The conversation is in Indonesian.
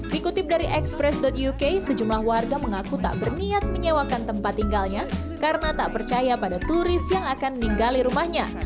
dikutip dari express uk sejumlah warga mengaku tak berniat menyewakan tempat tinggalnya karena tak percaya pada turis yang akan meninggali rumahnya